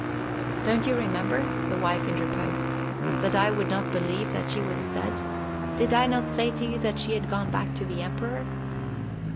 "Don't you remember," the wife interposed, "that I would not believe that she was dead? Did I not say to you that she had gone back to the Emperor?"